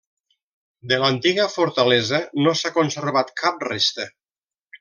De l'antiga fortalesa no s'ha conservat cap resta.